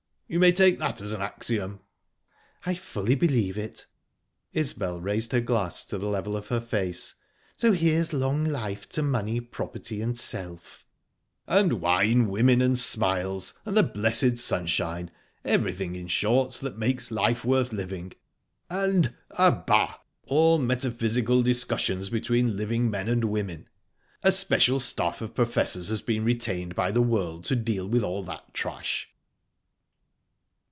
You may take that as an axiom." "I fully believe it." Isbel raised her glass to the level of her face. "So here's long life to money, property, and self!" "And wine, and women, and smiles, and the blessed sunshine everything, in short, that makes life worth living! And a bas all metaphysical discussions between living men and women! A special staff of professors has been retained by the world to deal with all that trash."